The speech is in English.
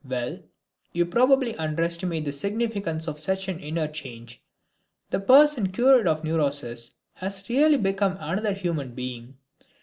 Well, you probably underestimate the significance of such an inner change. The person cured of neurosis has really become another human being.